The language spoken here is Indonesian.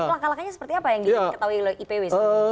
langkah langkahnya seperti apa yang diketahui oleh ipw